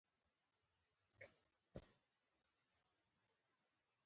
مالي اصلاحات د اقتصاد بنسټ پیاوړی کوي.